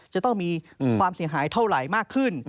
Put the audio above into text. จะต้องมีความเสียหายเท่าไหร่มากขึ้น